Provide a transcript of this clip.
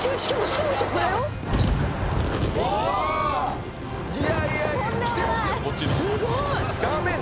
すごい！